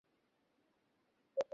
বিবাহের পর তিনি বাংলা লেখাপড়া শেখেন।